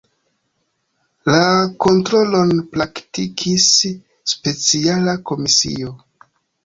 La kontrolon praktikis speciala komisio.